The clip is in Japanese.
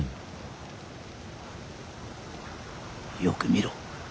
よく見ろ。